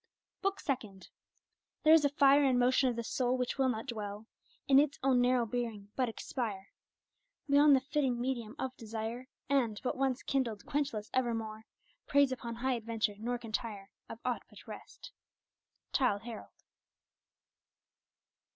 BOOK SECOND "There is a fire And motion of the soul which will not dwell In its own narrow being, but aspire Beyond the fitting medium of desire; And, but once kindled, quenchless evermore, Preys upon high adventure, nor can tire Of aught but rest." Childe Harold.